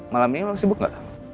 malam ini lo sibuk gak